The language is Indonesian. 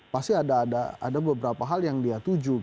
pasti ada beberapa hal yang dia tuju